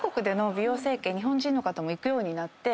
日本人の方も行くようになって。